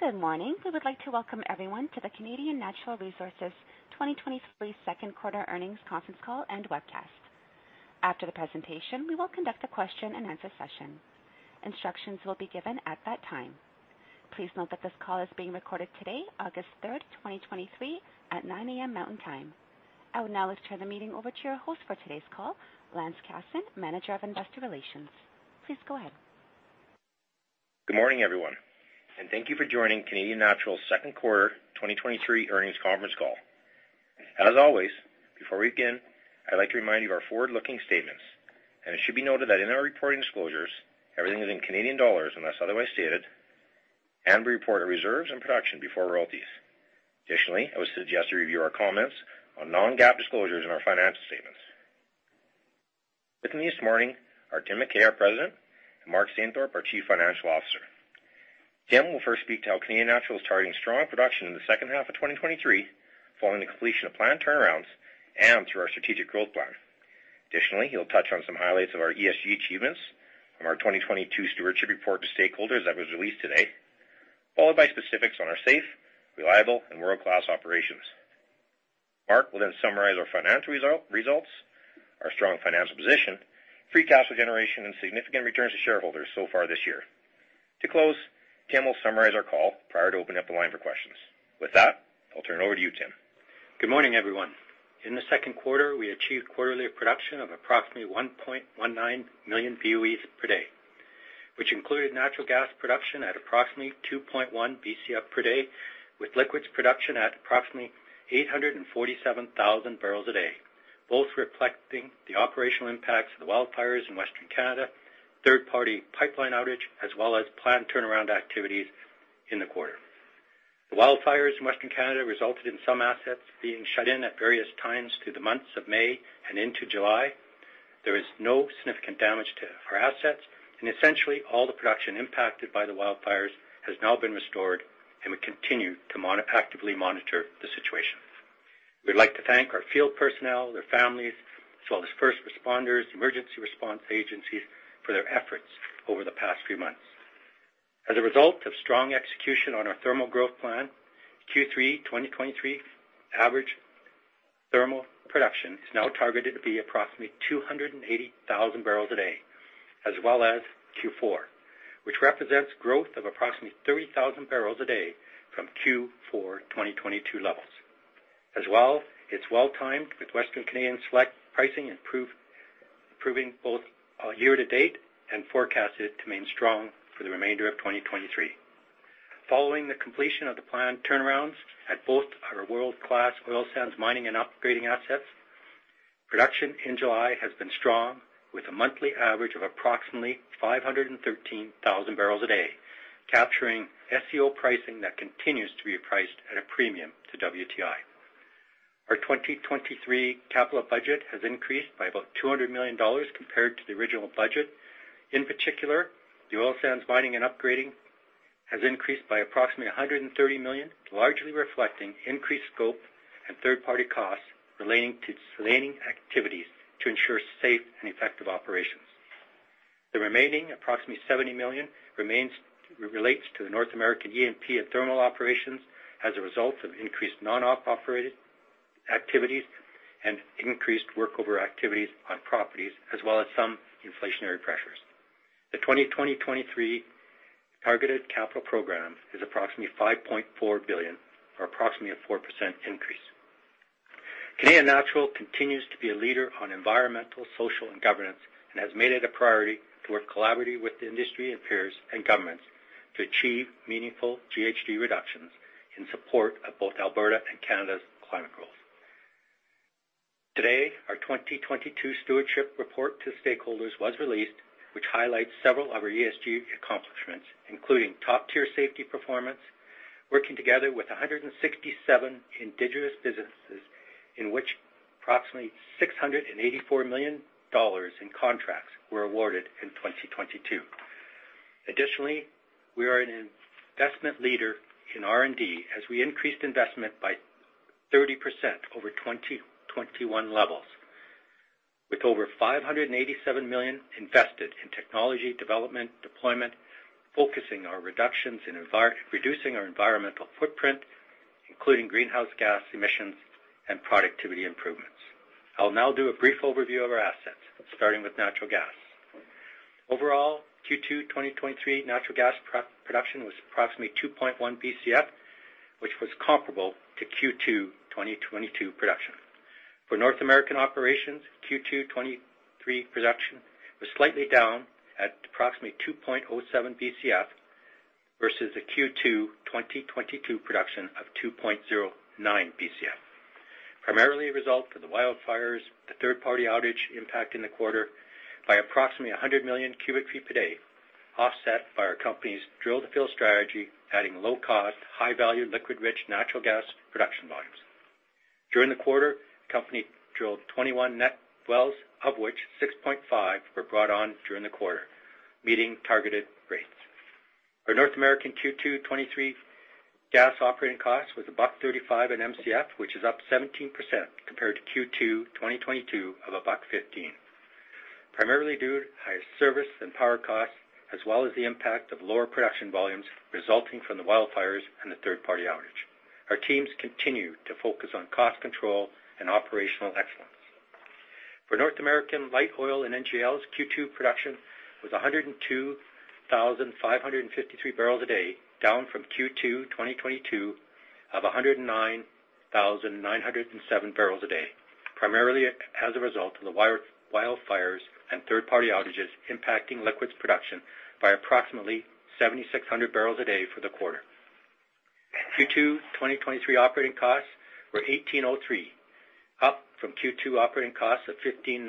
Good morning. We would like to welcome everyone to the Canadian Natural Resources 2023 Second Quarter Earnings Conference Call and Webcast. After the presentation, we will conduct a question-and-answer session. Instructions will be given at that time. Please note that this call is being recorded today, August 3, 2023, at 9:00 A.M. Mountain Time. I will now let's turn the meeting over to your host for today's call, Lance Casson, Manager of Investor Relations. Please go ahead. Good morning, everyone, and thank you for joining Canadian Natural's second quarter 2023 earnings conference call. As always, before we begin, I'd like to remind you of our forward-looking statements. It should be noted that in our reporting disclosures, everything is in Canadian dollars unless otherwise stated, and we report our reserves and production before royalties. Additionally, I would suggest you review our comments on non-GAAP disclosures in our financial statements. With me this morning are Tim McKay, our President, and Mark Stainthorpe, our Chief Financial Officer. Tim will first speak to how Canadian Natural is targeting strong production in the second half of 2023, following the completion of planned turnarounds and through our strategic growth plan. Additionally, he'll touch on some highlights of our ESG achievements from our 2022 Stewardship Report to Stakeholders that was released today, followed by specifics on our safe, reliable, and world-class operations. Mark will then summarize our financial results, our strong financial position, free cash flow generation, and significant returns to shareholders so far this year. To close, Tim will summarize our call prior to opening up the line for questions. With that, I'll turn it over to you, Tim. Good morning, everyone. In the second quarter, we achieved quarterly production of approximately 1.19 million BOEs per day, which included natural gas production at approximately 2.1 Bcf per day, with liquids production at approximately 847,000 barrels a day, both reflecting the operational impacts of the wildfires in Western Canada, third-party pipeline outage, as well as planned turnaround activities in the quarter. The wildfires in Western Canada resulted in some assets being shut in at various times through the months of May and into July. There is no significant damage to our assets, and essentially, all the production impacted by the wildfires has now been restored, and we continue to actively monitor the situation. We'd like to thank our field personnel, their families, as well as first responders, emergency response agencies for their efforts over the past few months. As a result of strong execution on our thermal growth plan, Q3 2023 average thermal production is now targeted to be approximately 280,000 barrels a day, as well as Q4, which represents growth of approximately 30,000 barrels a day from Q4 2022 levels. As well, it's well-timed with Western Canadian Select pricing improving, improving both, year to date and forecasted to remain strong for the remainder of 2023. Following the completion of the planned turnarounds at both our world-class oil sands mining and upgrading assets, production in July has been strong, with a monthly average of approximately 513,000 barrels a day, capturing SCO pricing that continues to be priced at a premium to WTI. Our 2023 capital budget has increased by about $200 million compared to the original budget. In particular, the oil sands mining and upgrading has increased by approximately 130 million, largely reflecting increased scope and third-party costs relating to planning activities to ensure safe and effective operations. The remaining, approximately 70 million, relates to the North American E&P and thermal operations as a result of increased non-op operated activities and increased workover activities on properties, as well as some inflationary pressures. The 2023 targeted capital program is approximately 5.4 billion, or approximately a 4% increase. Canadian Natural continues to be a leader on environmental, social, and governance and has made it a priority to work collaboratively with the industry and peers and governments to achieve meaningful GHG reductions in support of both Alberta and Canada's climate goals. Today, our 2022 Stewardship Report to Stakeholders was released, which highlights several of our ESG accomplishments, including top-tier safety performance, working together with 167 indigenous businesses, in which approximately 684 million dollars in contracts were awarded in 2022. Additionally, we are an investment leader in R&D as we increased investment by 30% over 2021 levels, with over 587 million invested in technology development, deployment, focusing our reductions in reducing our environmental footprint, including greenhouse gas emissions and productivity improvements. I'll now do a brief overview of our assets, starting with natural gas. Overall, Q2 2023 natural gas production was approximately 2.1 Bcf, which was comparable to Q2 2022 production. For North American operations, Q2 2023 production was slightly down at approximately 2.07 Bcf versus a Q2 2022 production of 2.09 Bcf. Primarily a result of the wildfires, the third-party outage impact in the quarter by approximately 100 million cubic feet per day, offset by our company's drill-to-fill strategy, adding low cost, high-value, liquid-rich natural gas production volumes. During the quarter, the company drilled 21 net wells, of which 6.5 were brought on during the quarter, meeting targeted rates. Our North American Q2 2023 gas operating cost was $1.35/Mcf, which is up 17% compared to Q2 2022 of $1.15, primarily due to higher service and power costs, as well as the impact of lower production volumes resulting from the wildfires and the third-party outage. Our teams continue to focus on cost control and operational excellence. For North American light oil and NGLs, Q2 production was 102,553 barrels a day, down from Q2 2022, of 109,907 barrels a day, primarily as a result of the wildfires and third-party outages, impacting liquids production by approximately 7,600 barrels a day for the quarter. Q2 2023 operating costs were 18.03, up from Q2 operating costs of 15.19,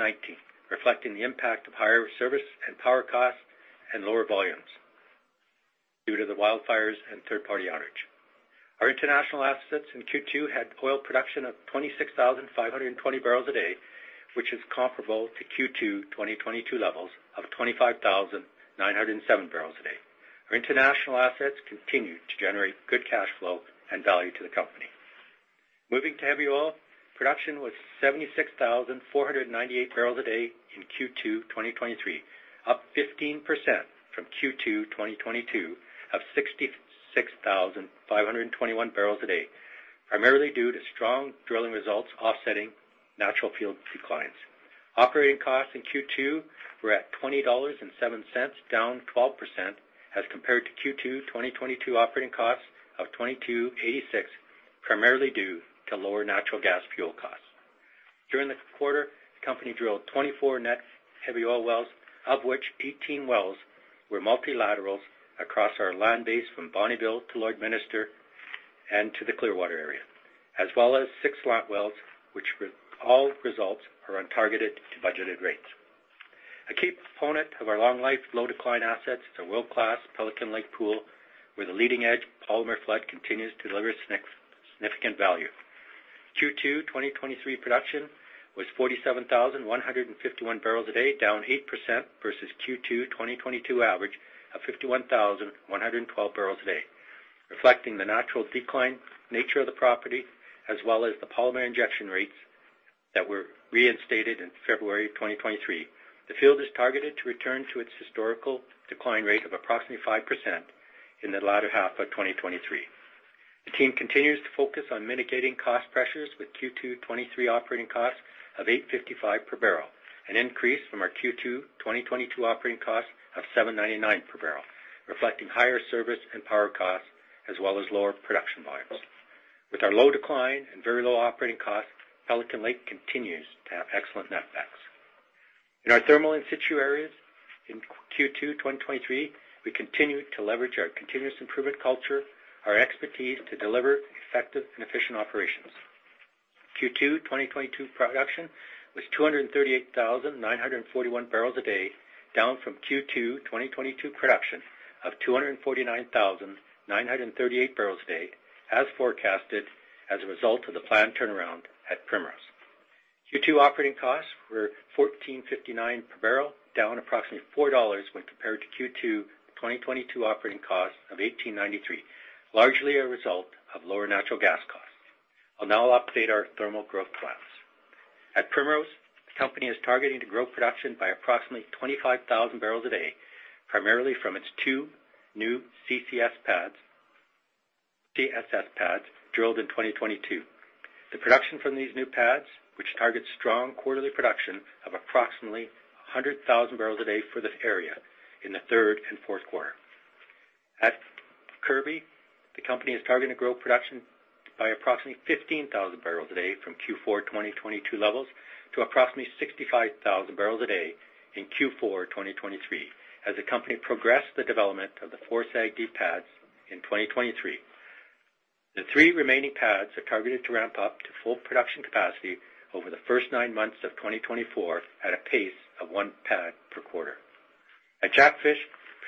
reflecting the impact of higher service and power costs and lower volumes due to the wildfires and third-party outage. Our international assets in Q2 had oil production of 26,520 barrels a day, which is comparable to Q2 2022 levels of 25,907 barrels a day. Our international assets continue to generate good cash flow and value to the company. Moving to heavy oil, production was 76,498 barrels a day in Q2 2023, up 15% from Q2 2022, of 66,521 barrels a day, primarily due to strong drilling results offsetting natural field declines. Operating costs in Q2 were at $20.07, down 12% as compared to Q2 2022 operating costs of $22.86, primarily due to lower natural gas fuel costs. During the quarter, the company drilled 24 net heavy oil wells, of which 18 wells were multilaterals across our land base, from Bonnyville to Lloydminster and to the Clearwater area, as well as six slot wells, which were all results are on targeted to budgeted rates. A key component of our long life, low decline assets is a world-class Pelican Lake pool, where the leading edge polymer flood continues to deliver significant, significant value. Q2 2023 production was 47,151 barrels a day, down 8% versus Q2 2022 average of 51,112 barrels a day, reflecting the natural decline nature of the property, as well as the polymer injection rates that were reinstated in February 2023. The field is targeted to return to its historical decline rate of approximately 5% in the latter half of 2023. The team continues to focus on mitigating cost pressures with Q2 2023 operating costs of $8.55 per barrel, an increase from our Q2 2022 operating costs of $7.99 per barrel, reflecting higher service and power costs, as well as lower production volumes. With our low decline and very low operating costs, Pelican Lake continues to have excellent netbacks. In our thermal in situ areas in Q2 2023, we continued to leverage our continuous improvement culture, our expertise to deliver effective and efficient operations. Q2 2022 production was 238,941 barrels a day, down from Q2 2022 production of 249,938 barrels a day, as forecasted as a result of the planned turnaround at Primrose. Q2 operating costs were CAD 14.59 per barrel, down approximately 4 dollars when compared to Q2 2022 operating costs of CAD 18.93, largely a result of lower natural gas costs. I'll now update our thermal growth plans. At Primrose, the company is targeting to grow production by approximately 25,000 barrels a day, primarily from its two new CSS pads drilled in 2022. The production from these new pads, which targets strong quarterly production of approximately 100,000 barrels a day for this area in the third and fourth quarter. At Kirby, the company is targeting to grow production by approximately 15,000 barrels a day from Q4 2022 levels to approximately 65,000 barrels a day in Q4 2023, as the company progressed the development of the four SAGD pads in 2023. The three remaining pads are targeted to ramp up to full production capacity over the first nine months of 2024, at a pace of one pad per quarter. At Jackfish,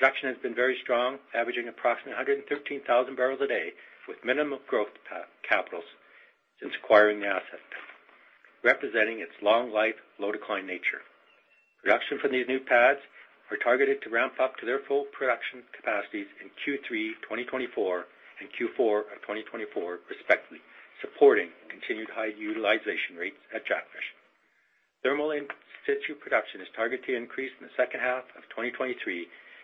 production has been very strong, averaging approximately 113,000 barrels a day, with minimum growth capitals since acquiring the asset, representing its long life, low decline nature. Production from these new pads are targeted to ramp up to their full production capacities in Q3 2024 and Q4 of 2024, respectively, supporting continued high utilization rates at Jackfish. Thermal in situ production is targeted to increase in the second half of 2023,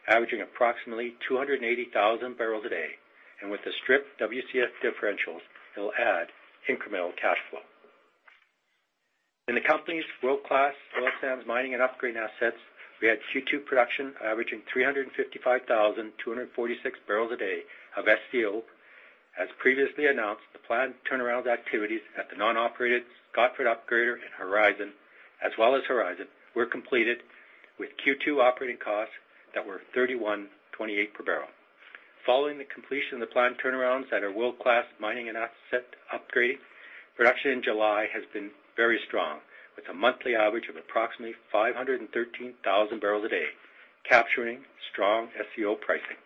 averaging approximately 280,000 barrels a day, and with the strip WCS differentials, it'll add incremental cash flow. In the company's world-class oil sands mining and upgrading assets, we had Q2 production averaging 355,246 barrels a day of SCO. As previously announced, the planned turnaround activities at the non-operated Scotford Upgrader in Horizon, as well as Horizon, were completed with Q2 operating costs that were 31.28 per barrel. Following the completion of the planned turnarounds at our world-class mining and asset upgrade, production in July has been very strong, with a monthly average of approximately 513,000 barrels a day, capturing strong SCO pricing.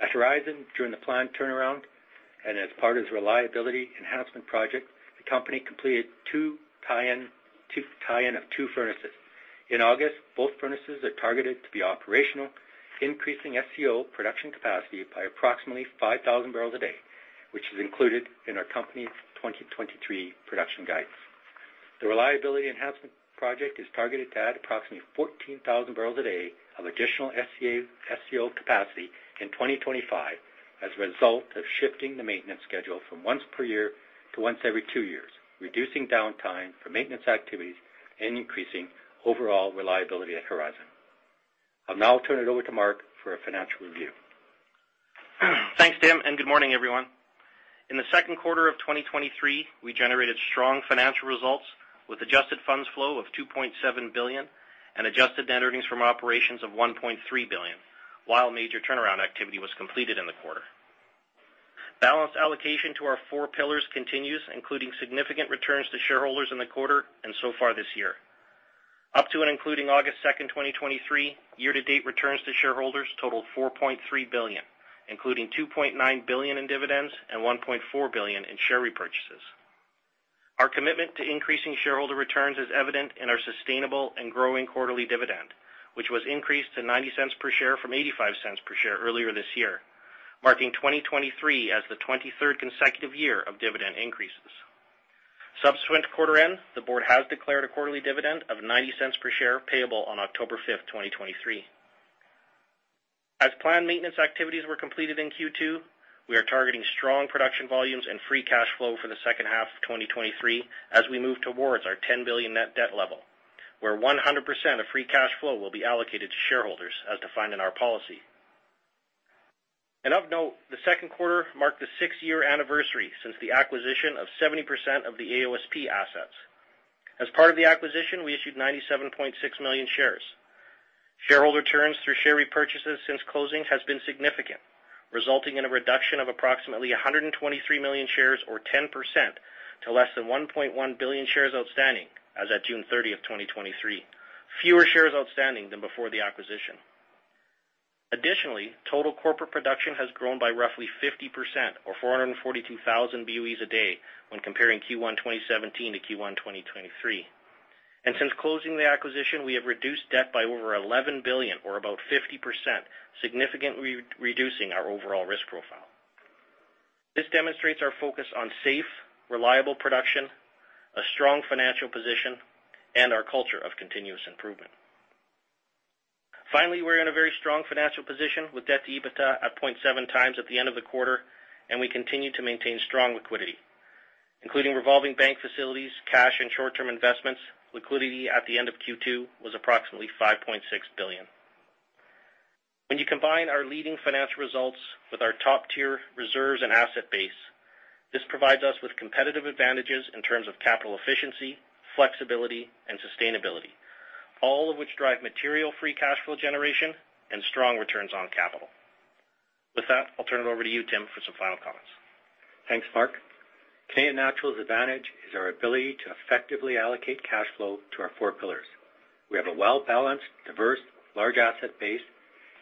At Horizon, during the planned turnaround and as part of its Reliability Enhancement Project, the company completed two tie-in, two tie-in of two furnaces. In August, both furnaces are targeted to be operational, increasing SCO production capacity by approximately 5,000 barrels a day, which is included in our company's 2023 production guides. The Reliability Enhancement Project is targeted to add approximately 14,000 barrels a day of additional SCO capacity in 2025 as a result of shifting the maintenance schedule from once per year to once every two years, reducing downtime for maintenance activities and increasing overall reliability at Horizon. I'll now turn it over to Mark for a financial review. Thanks, Tim. Good morning, everyone. In the second quarter of 2023, we generated strong financial results with adjusted funds flow of 2.7 billion and adjusted net earnings from operations of 1.3 billion, while major turnaround activity was completed in the quarter. Balanced allocation to our four pillars continues, including significant returns to shareholders in the quarter and so far this year. Up to and including August 2nd, 2023, year-to-date returns to shareholders totaled 4.3 billion, including 2.9 billion in dividends and 1.4 billion in share repurchases. Our commitment to increasing shareholder returns is evident in our sustainable and growing quarterly dividend, which was increased to 0.90 per share from 0.85 per share earlier this year, marking 2023 as the 23rd consecutive year of dividend increases. Subsequent to quarter end, the board has declared a quarterly dividend of $0.90 per share, payable on October 5, 2023. As planned maintenance activities were completed in Q2, we are targeting strong production volumes and free cash flow for the second half of 2023 as we move towards our $10 billion net debt level, where 100% of free cash flow will be allocated to shareholders, as defined in our policy. Of note, the second quarter marked the six-year anniversary since the acquisition of 70% of the AOSP assets. As part of the acquisition, we issued 97.6 million shares. Shareholder returns through share repurchases since closing has been significant, resulting in a reduction of approximately 123 million shares or 10% to less than 1.1 billion shares outstanding as at June 30, 2023. Fewer shares outstanding than before the acquisition. Additionally, total corporate production has grown by roughly 50% or 442,000 BOEs a day when comparing Q1 2017 to Q1 2023. Since closing the acquisition, we have reduced debt by over $11 billion or about 50%, significantly reducing our overall risk profile. This demonstrates our focus on safe, reliable production, a strong financial position, and our culture of continuous improvement. We're in a very strong financial position, with debt to EBITDA at 0.7x at the end of the quarter, and we continue to maintain strong liquidity, including revolving bank facilities, cash and short-term investments. Liquidity at the end of Q2 was approximately $5.6 billion. When you combine our leading financial results with our top-tier reserves and asset base, this provides us with competitive advantages in terms of capital efficiency, flexibility, and sustainability, all of which drive material free cash flow generation and strong returns on capital. With that, I'll turn it over to you, Tim, for some final comments. Thanks, Mark. Canadian Natural's advantage is our ability to effectively allocate cash flow to our four pillars. We have a well-balanced, diverse, large asset base,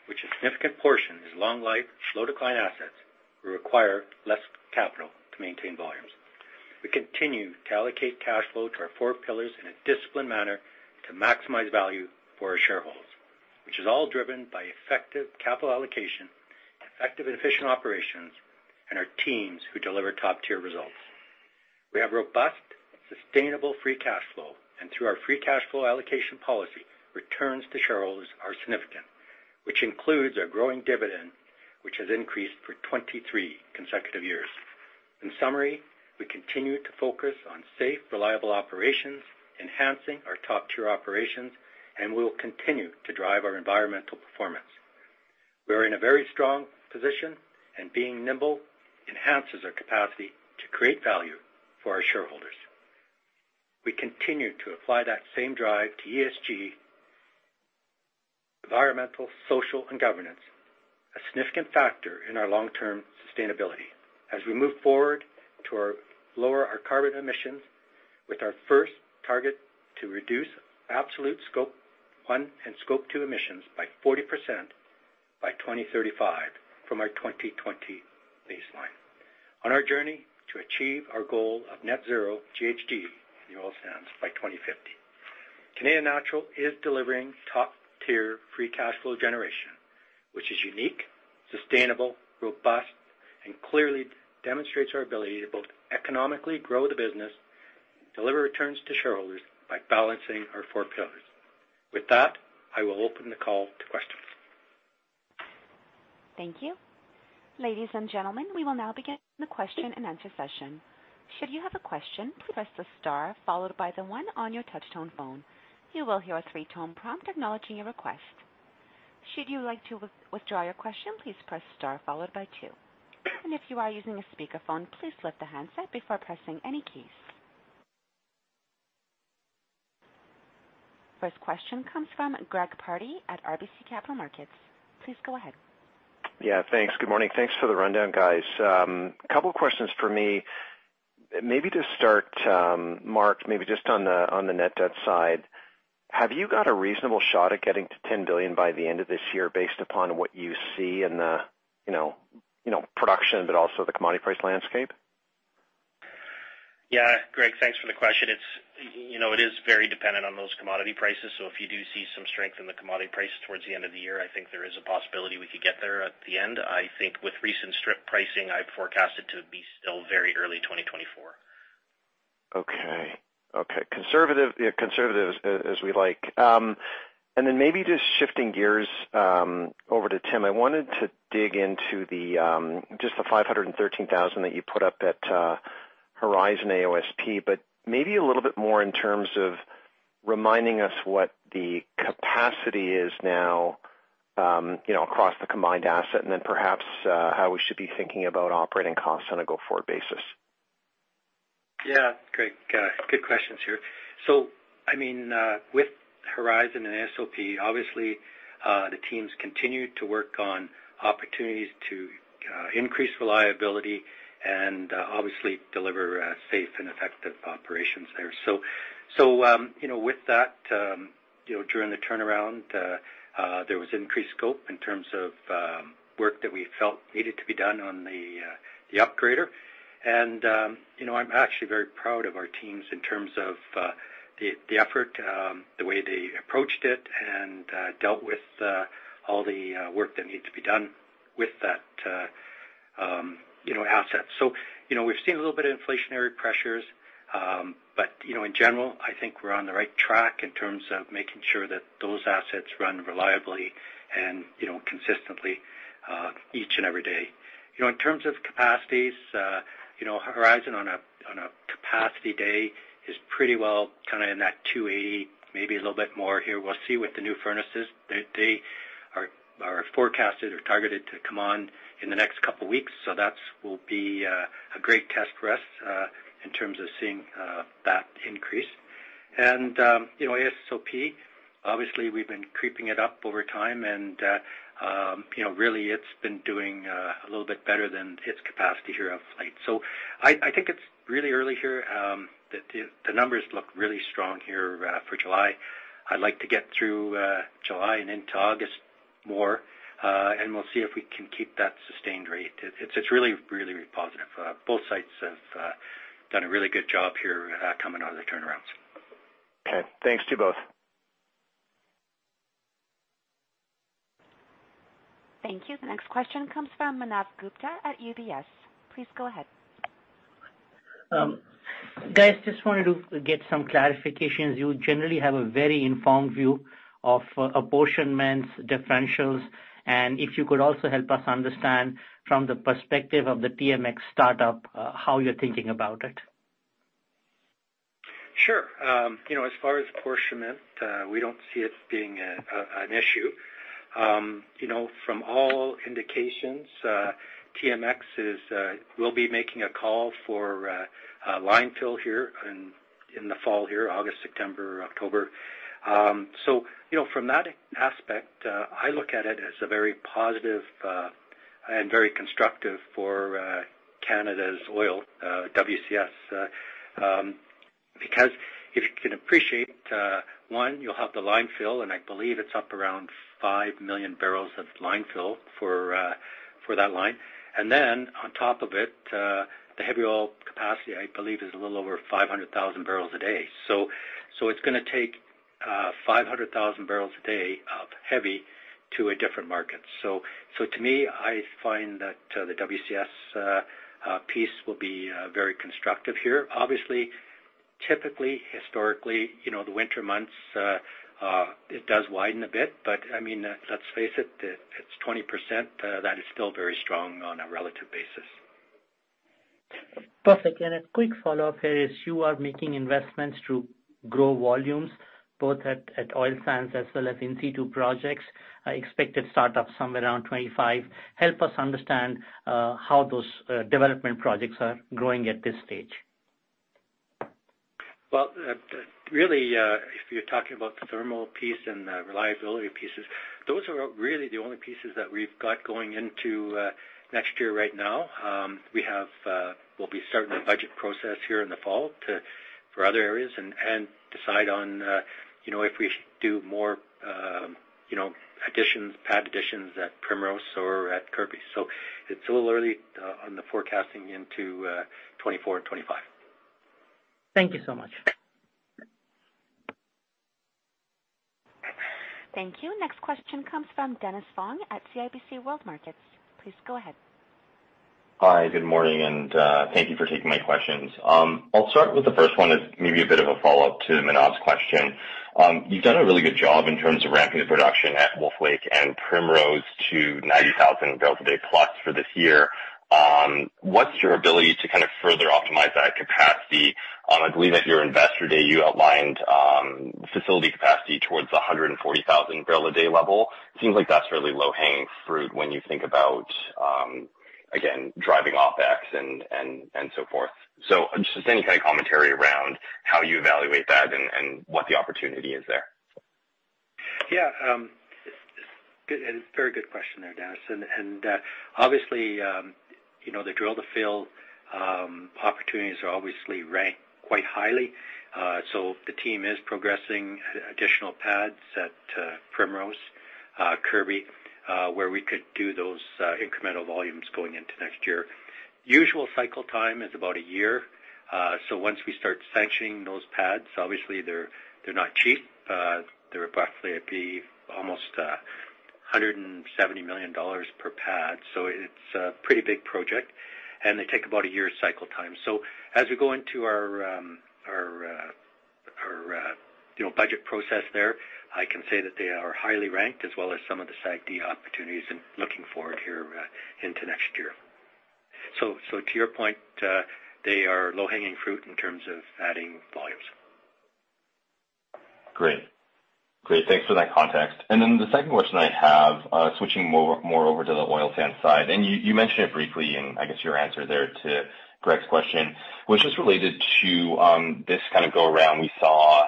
which a significant portion is long-life, slow-decline assets that require less capital to maintain volumes. We continue to allocate cash flow to our four pillars in a disciplined manner to maximize value for our shareholders, which is all driven by effective capital allocation, effective and efficient operations, and our teams who deliver top-tier results. We have robust, sustainable free cash flow, and through our free cash flow allocation policy, returns to shareholders are significant, which includes our growing dividend, which has increased for 23 consecutive years. In summary, we continue to focus on safe, reliable operations, enhancing our top-tier operations, and we will continue to drive our environmental performance. We are in a very strong position, being nimble enhances our capacity to create value for our shareholders. We continue to apply that same drive to ESG, environmental, social, and governance, a significant factor in our long-term sustainability as we move forward to our lower our carbon emissions, with our first target to reduce absolute Scope 1 and Scope 2 emissions by 40% by 2035 from our 2020 baseline. On our journey to achieve our goal of net zero GHG in the Oil Sands by 2050, Canadian Natural is delivering top-tier free cash flow generation, which is unique, sustainable, robust, and clearly demonstrates our ability to both economically grow the business and deliver returns to shareholders by balancing our four pillars. With that, I will open the call to questions. Thank you. Ladies and gentlemen, we will now begin the question-and-answer session. Should you have a question, please press the star followed by the one on your touch-tone phone. You will hear a three-tone prompt acknowledging your request. Should you like to withdraw your question, please press star followed by two. If you are using a speakerphone, please lift the handset before pressing any keys. First question comes from Greg Pardy at RBC Capital Markets. Please go ahead. Yeah, thanks. Good morning. Thanks for the rundown, guys. A couple of questions for me. Maybe to start, Mark, maybe just on the, on the net debt side, have you got a reasonable shot at getting to 10 billion by the end of this year based upon what you see in the, you know, you know, production, but also the commodity price landscape? Yeah, Greg, thanks for the question. It's, you know, it is very dependent on those commodity prices. If you do see some strength in the commodity prices towards the end of the year, I think there is a possibility we could get there at the end. I think with recent strip pricing, I forecast it to be still very early 2024. Okay, okay, conservative, yeah, conservative as, as we like. Maybe just shifting gears, over to Tim McKay. I wanted to dig into the, just the 513,000 that you put up at Horizon AOSP, but maybe a little bit more in terms of reminding us what the capacity is now, you know, across the combined asset, and then perhaps, how we should be thinking about operating costs on a go-forward basis. Yeah, great, good questions here. I mean, with Horizon and AOSP, obviously, the teams continue to work on opportunities to increase reliability and, obviously, deliver safe and effective operations there. So, you know, with that, you know, during the turnaround, there was increased scope in terms of work that we felt needed to be done on the upgrader. You know, I'm actually very proud of our teams in terms of the, the effort, the way they approached it, and dealt with all the work that needed to be done with that, you know, asset. You know, we've seen a little bit of inflationary pressures, but, you know, in general, I think we're on the right track in terms of making sure that those assets run reliably and, you know, consistently, each and every day. You know, in terms of capacities, you know, Horizon on a, on a capacity day is pretty well kind of in that 280, maybe a little bit more here. We'll see with the new furnaces. They, they are, are forecasted or targeted to come on in the next couple of weeks, so that's will be a great test for us in terms of seeing that increase. You know, AOSP, obviously, we've been creeping it up over time, and, you know, really, it's been doing a little bit better than its capacity here of late. I, I think it's really early here, the, the, the numbers look really strong here, for July. I'd like to get through July and into August more, and we'll see if we can keep that sustained rate. It's, it's really, really positive. Both sites have done a really good job here, coming out of the turnarounds. Okay. Thanks to you both. Thank you. The next question comes from Manav Gupta at UBS. Please go ahead. Guys, just wanted to get some clarifications. You generally have a very informed view of apportionments, differentials, and if you could also help us understand from the perspective of the TMX startup, how you're thinking about it. Sure. You know, as far as apportionment, we don't see it being an issue. You know, from all indications, TMX is will be making a call for line fill here in the fall here, August, September, October. You know, from that aspect, I look at it as a very positive and very constructive for Canada's oil, WCS. Because if you can appreciate, one, you'll have the line fill, and I believe it's up around 5 million barrels of line fill for that line. Then on top of it, the heavy oil capacity, I believe, is a little over 500,000 barrels a day. It's gonna take 500,000 barrels a day of heavy to a different market. So to me, I find that, the WCS, piece will be, very constructive here. Obviously, typically, historically, you know, the winter months, it does widen a bit, but I mean, let's face it, it, it's 20%. That is still very strong on a relative basis. Perfect. A quick follow-up here is you are making investments to grow volumes both at, at Oil Sands as well as in situ projects, expected startup somewhere around 2025. Help us understand how those development projects are going at this stage. Well, really, if you're talking about the thermal piece and the reliability pieces, those are really the only pieces that we've got going into next year right now. We have, we'll be starting the budget process here in the fall to, for other areas and, and decide on, you know, if we should do more, you know, additions, pad additions at Primrose or at Kirby. It's a little early on the forecasting into 2024 and 2025. Thank you so much. Thank you. Next question comes from Dennis Fong at CIBC World Markets. Please go ahead. Hi, good morning, thank you for taking my questions. I'll start with the first one is maybe a bit of a follow-up to Manav's question. You've done a really good job in terms of ramping the production at Wolf Lake and Primrose to 90,000 barrels a day plus for this year. What's your ability to kind of further optimize that capacity? I believe at your Investor Day, you outlined facility capacity towards the 140,000 barrel a day level. Seems like that's really low-hanging fruit when you think about again, driving OpEx and so forth. Just any kind of commentary around how you evaluate that and what the opportunity is there? Yeah, very good question there, Dennis. Obviously, you know, the drill to fill opportunities are obviously ranked quite highly. So the team is progressing additional pads at Primrose, Kirby, where we could do those incremental volumes going into next year. Usual cycle time is about a year. So once we start sanctioning those pads, obviously, they're not cheap. They're roughly at almost $170 million per pad. So it's a pretty big project, and they take about a year cycle time. So as we go into our, you know, budget process there, I can say that they are highly ranked, as well as some of the Site D opportunities and looking forward here, into next year. So to your point, they are low-hanging fruit in terms of adding volumes. Great. Great, thanks for that context. The second question I have, switching more, more over to the Oil Sands side, and you, you mentioned it briefly in, I guess, your answer there to Greg's question, which is related to, this kind of go around. We saw,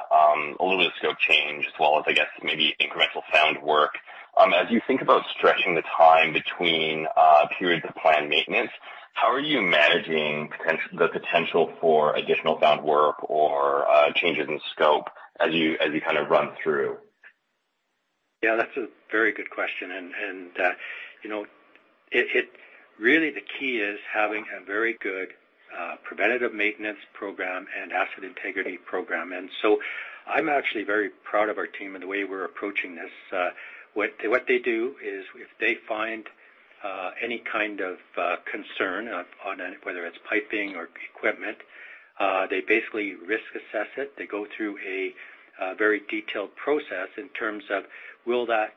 a little bit of scope change as well as, I guess, maybe incremental found work. As you think about stretching the time between, periods of planned maintenance, how are you managing the potential for additional sound work or, changes in scope as you, as you kind of run through? Yeah, that's a very good question. You know, really, the key is having a very good preventive maintenance program and asset integrity program. I'm actually very proud of our team and the way we're approaching this. What they do is if they find any kind of concern on whether it's piping or equipment, they basically risk assess it. They go through a very detailed process in terms of will that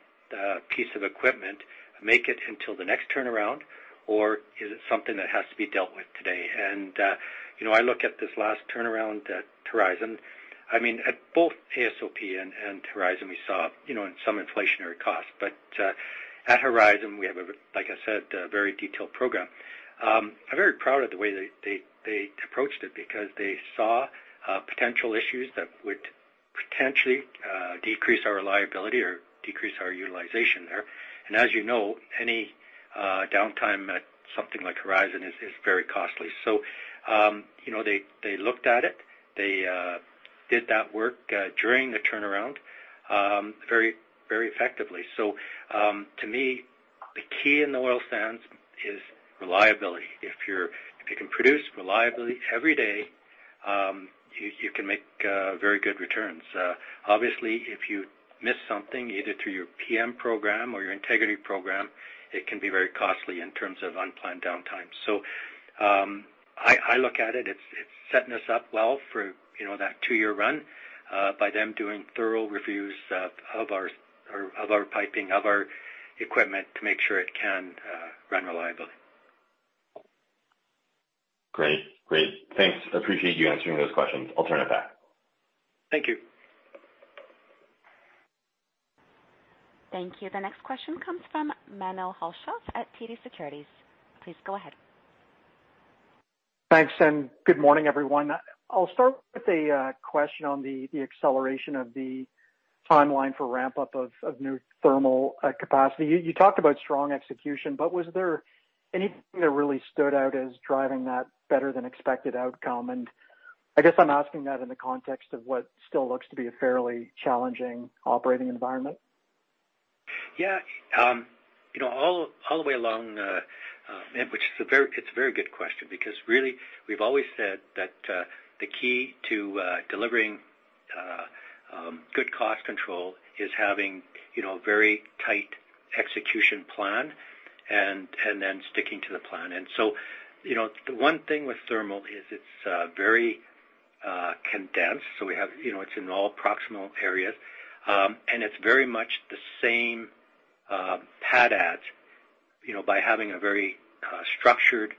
piece of equipment make it until the next turnaround, or is it something that has to be dealt with today? You know, I look at this last turnaround at Horizon. I mean, at both AOSP and Horizon, we saw, you know, in some inflationary costs. At Horizon, we have a, like I said, a very detailed program. I'm very proud of the way they, they, they approached it because they saw potential issues that would potentially decrease our reliability or decrease our utilization there. As you know, any downtime at something like Horizon is, is very costly. You know, they, they looked at it. They did that work during the turnaround very, very effectively. To me, the key in the Oil Sands is reliability. If you can produce reliably every day, you, you can make very good returns. Obviously, if you miss something, either through your PM program or your integrity program, it can be very costly in terms of unplanned downtime. I, I look at it, it's, it's setting us up well for, you know, that two-year run, by them doing thorough reviews of, of our, of our piping, of our equipment to make sure it can run reliably. Great. Great. Thanks. Appreciate you answering those questions. I'll turn it back. Thank you. Thank you. The next question comes from Menno Hulshof at TD Securities. Please go ahead. Thanks. Good morning, everyone. I'll start with a question on the, the acceleration of the timeline for ramp-up of new thermal capacity. You, you talked about strong execution, but was there anything that really stood out as driving that better than expected outcome? I guess I'm asking that in the context of what still looks to be a fairly challenging operating environment. Yeah, you know, all, all the way along, and which is a very good question because really we've always said that, the key to, delivering, good cost control is having, you know, a very tight execution plan and, and then sticking to the plan. So, you know, the one thing with thermal is it's very condensed. We have, you know, it's in all proximal areas, and it's very much the same pad adds. You know, by having a very structured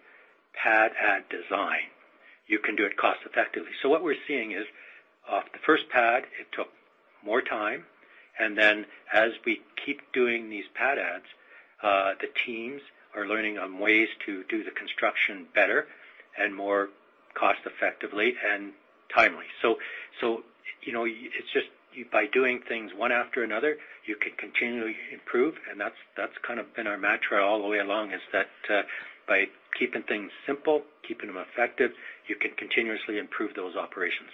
pad add design, you can do it cost effectively. What we're seeing is, the first pad, it took more time, and then as we keep doing these pad adds, the teams are learning on ways to do the construction better and more cost effectively and timely. You know, it's just by doing things one after another, you can continually improve, and that's, that's kind of been our mantra all the way along, is that, by keeping things simple, keeping them effective, you can continuously improve those operations.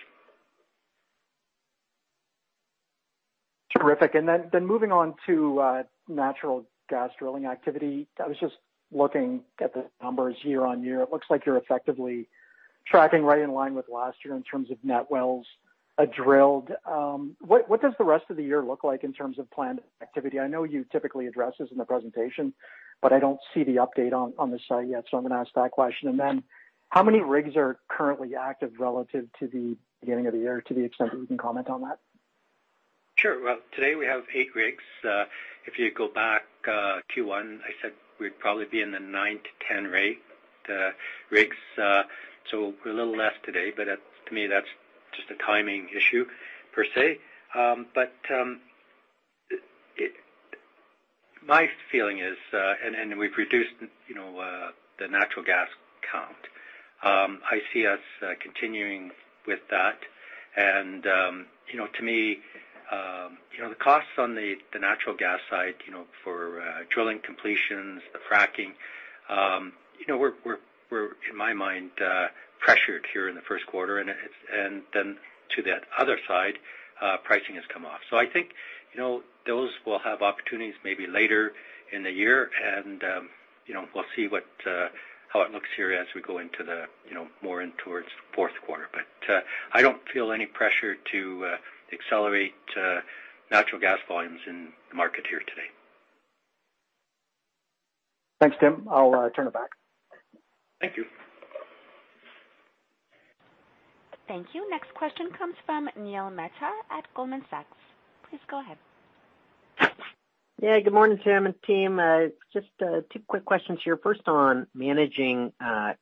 Terrific. Then, then moving on to natural gas drilling activity. I was just looking at the numbers year-over-year. It looks like you're effectively tracking right in line with last year in terms of net wells drilled. What, what does the rest of the year look like in terms of planned activity? I know you typically address this in the presentation, but I don't see the update on, on the site yet, so I'm going to ask that question. Then how many rigs are currently active relative to the beginning of the year, to the extent that you can comment on that? Sure. Well, today we have eight rigs. If you go back, Q1, I said we'd probably be in the nine to 10 rig, rigs. We're a little less today, but that, to me, that's just a timing issue per se. It, my feeling is, and we've reduced, you know, the natural gas count. I see us, continuing with that. You know, to me, you know, the costs on the, the natural gas side, you know, for, drilling completions, the fracking, you know, we're, we're, we're, in my mind, pressured here in the first quarter, and it, then to that other side, pricing has come off. I think, you know, those will have opportunities maybe later... in the year, and, you know, we'll see what, how it looks here as we go into the, you know, more in towards the fourth quarter. I don't feel any pressure to accelerate natural gas volumes in the market here today. Thanks, Tim. I'll turn it back. Thank you. Thank you. Next question comes from Neil Mehta at Goldman Sachs. Please go ahead. Yeah, good morning, Tim and team. Just two quick questions here. First, on managing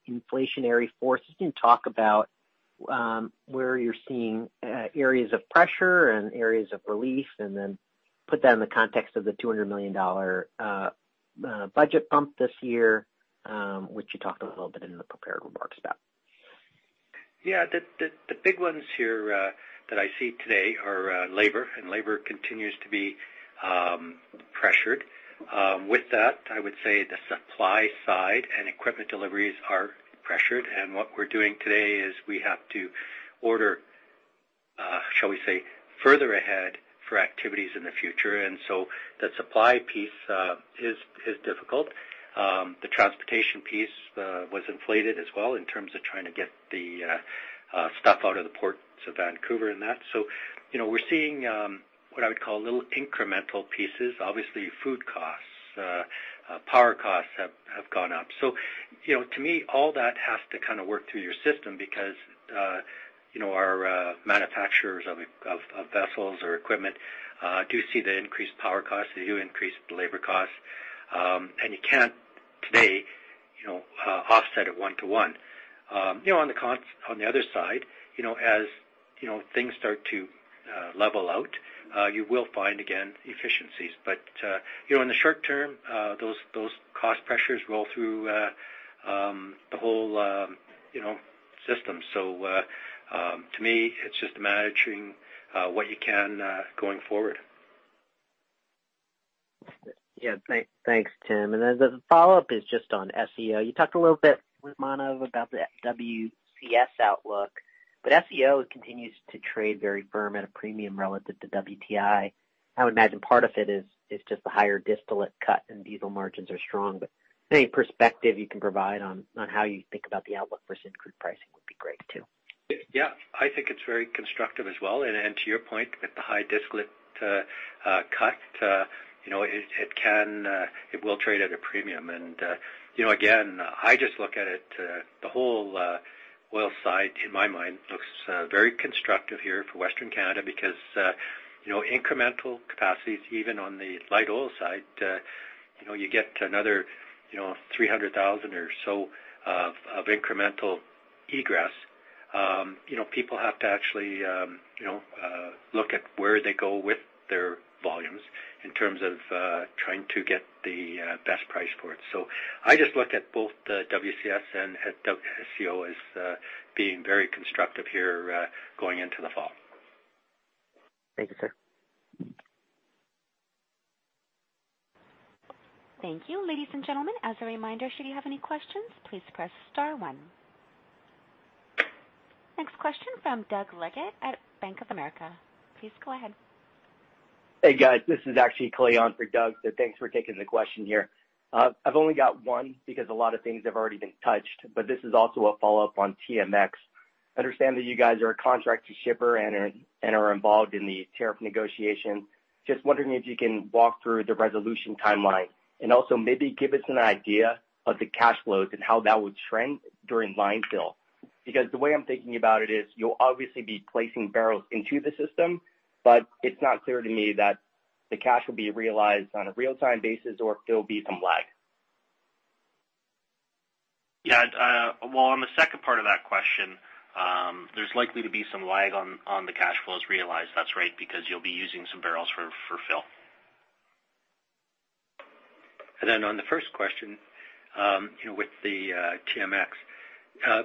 inflationary forces, can you talk about where you're seeing areas of pressure and areas of relief, and then put that in the context of the 200 million dollar budget bump this year, which you talked a little bit in the prepared remarks about? Yeah, the, the, the big ones here that I see today are labor, and labor continues to be pressured. With that, I would say the supply side and equipment deliveries are pressured, and what we're doing today is we have to order, shall we say, further ahead for activities in the future. The supply piece is, is difficult. The transportation piece was inflated as well in terms of trying to get the stuff out of the ports of Vancouver and that. So, you know, we're seeing what I would call little incremental pieces. Obviously, food costs, power costs have, have gone up. You know, to me, all that has to kind of work through your system because, you know, our manufacturers of vessels or equipment do see the increased power costs. They do increase the labor costs, and you can't today, you know, offset it one to one. You know, on the other side, you know, as, you know, things start to level out, you will find, again, efficiencies. You know, in the short term, those, those cost pressures roll through the whole, you know, system. To me, it's just managing what you can, going forward. Yeah. Thank- thanks, Tim. The follow-up is just on SCO. You talked a little bit with Manav about the WCS outlook, SCO continues to trade very firm at a premium relative to WTI. I would imagine part of it is just the higher distillate cut and diesel margins are strong. Any perspective you can provide on how you think about the outlook versus crude pricing would be great, too. Yeah, I think it's very constructive as well. To your point, with the high distillate cut, you know, it, it can, it will trade at a premium. Again, I just look at it, the whole oil side, in my mind, looks very constructive here for Western Canada because, you know, incremental capacities, even on the light oil side, you know, you get another, you know, 300,000 or so of incremental egress. People have to actually, you know, look at where they go with their volumes in terms of trying to get the best price for it. I just look at both the WCS and at SCO as being very constructive here, going into the fall. Thank you, sir. Thank you. Ladies and gentlemen, as a reminder, should you have any questions, please press star one. Next question from Doug Leggate at Bank of America. Please go ahead. Hey, guys. This is actually Clay on for Doug. Thanks for taking the question here. I've only got one because a lot of things have already been touched. This is also a follow-up on TMX. I understand that you guys are a contract to shipper and are involved in the tariff negotiation. Just wondering if you can walk through the resolution timeline, and also maybe give us an idea of the cash flows and how that would trend during line fill. The way I'm thinking about it is, you'll obviously be placing barrels into the system, but it's not clear to me that the cash will be realized on a real-time basis or if there'll be some lag. Yeah, well, on the second part of that question, there's likely to be some lag on, on the cash flows realized. That's right, because you'll be using some barrels for, for fill. On the first question, you know, with the TMX.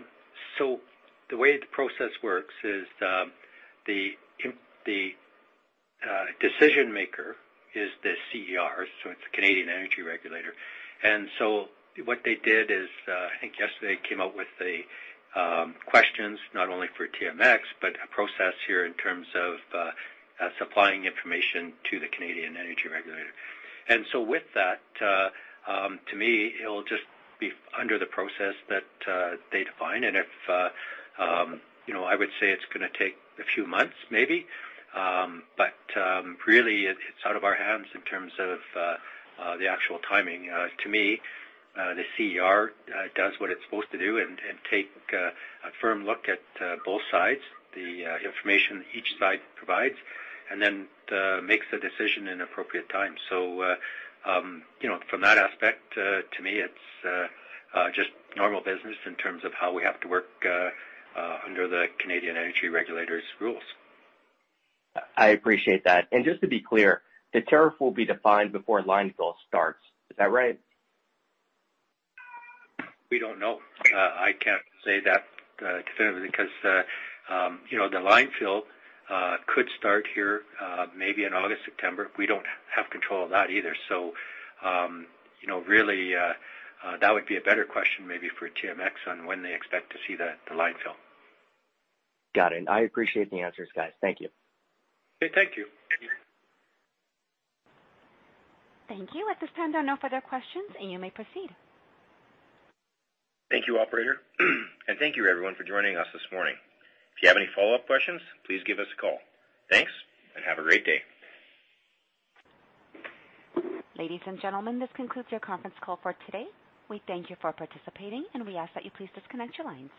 The way the process works is, the decision maker is the CER, so it's the Canada Energy Regulator. What they did is, I think yesterday, came out with questions not only for TMX, but a process here in terms of supplying information to the Canada Energy Regulator. With that, to me, it'll just be under the process that they define. You know, I would say it's gonna take a few months, maybe, but really, it, it's out of our hands in terms of the actual timing. To me, the CER does what it's supposed to do and take, a firm look at, both sides, the, information each side provides, and then, makes a decision in appropriate time. You know, from that aspect, to me, it's, just normal business in terms of how we have to work, under the Canada Energy Regulator's rules. I appreciate that. Just to be clear, the tariff will be defined before line fill starts. Is that right? We don't know. I can't say that definitively, because, you know, the line fill could start here, maybe in August, September. We don't have control of that either. You know, really, that would be a better question maybe for TMX on when they expect to see the, the line fill. Got it, I appreciate the answers, guys. Thank you. Okay, thank you. Thank you. At this time, there are no further questions, and you may proceed. Thank you, operator. Thank you everyone for joining us this morning. If you have any follow-up questions, please give us a call. Thanks. Have a great day. Ladies and gentlemen, this concludes your conference call for today. We thank you for participating, and we ask that you please disconnect your lines.